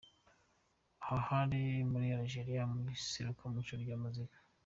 Aha bari muri Algeria mu iserukiramuco rya Muzika.